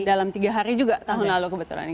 dalam tiga hari juga tahun lalu kebetulan